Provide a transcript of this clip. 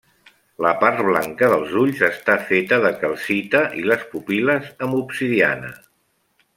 La part blanca dels ulls està feta de calcita, i les pupil·les, amb obsidiana.